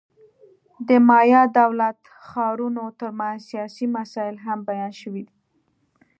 د مایا دولت-ښارونو ترمنځ سیالۍ مسایل هم بیان شوي دي.